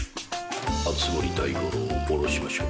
熱護大五郎を降ろしましょう。